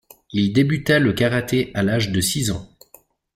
Il débuta le karaté à l'âge de six ans.